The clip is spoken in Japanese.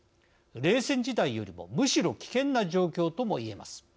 冷戦時代よりもむしろ危険な状況ともいえます。